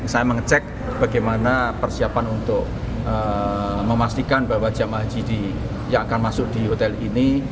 saya mengecek bagaimana persiapan untuk memastikan bahwa jemaah haji yang akan masuk di hotel ini